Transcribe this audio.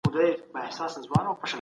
په خپلو وړتیاو به تل ډاډه اوسئ.